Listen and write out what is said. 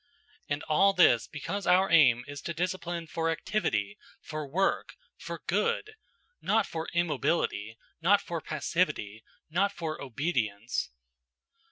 And all this because our aim is to discipline for activity, for work, for good; not for immobility, not for passivity, not for obedience.